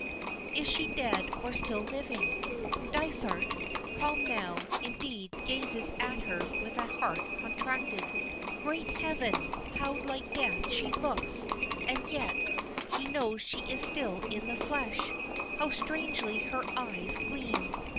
Is she dead or still living? Dysart, calmed now, indeed, gazes at her with a heart contracted. Great heaven! how like death she looks, and yet he knows she is still in the flesh. How strangely her eyes gleam.